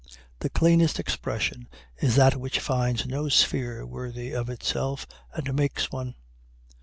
The cleanest expression is that which finds no sphere worthy of itself, and makes one.